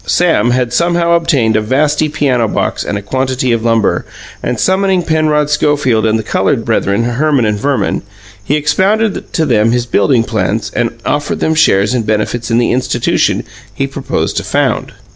Sam had somehow obtained a vasty piano box and a quantity of lumber, and, summoning Penrod Schofield and the coloured brethren, Herman and Verman, he expounded to them his building plans and offered them shares and benefits in the institution he proposed to found.